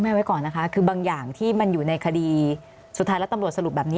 ไว้ก่อนนะคะคือบางอย่างที่มันอยู่ในคดีสุดท้ายแล้วตำรวจสรุปแบบนี้